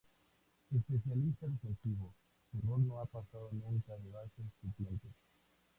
Especialista defensivo, su rol no ha pasado nunca de base suplente.